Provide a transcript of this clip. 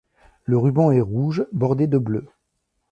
Le ruban est rouge bordé de bleu.